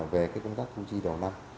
về công tác thu chi đầu năm